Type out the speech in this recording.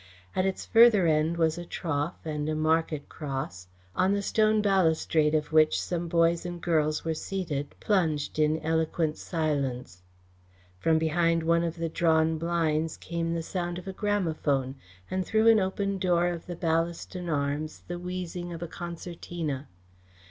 At its further end was a trough and a market cross, on the stone balustrade of which some boys and girls were seated, plunged in eloquent silence. From behind one of the drawn blinds came the sound of a gramophone, and through the open door of the Ballaston Arms the wheezing of a concertina.